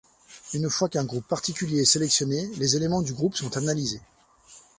Une fois qu'un groupe particulier est sélectionné, les éléments du groupe sont analysés.